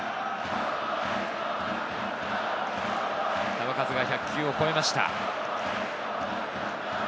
球数が１００球を超えました。